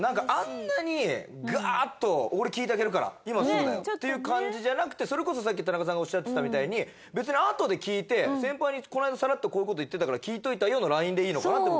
自分だったら。っていう感じじゃなくてそれこそさっき田中さんがおっしゃってたみたいに別にあとで聞いて先輩にこの間さらっとこういう事言ってたから聞いといたよのＬＩＮＥでいいのかなって。